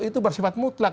itu bersifat mutlak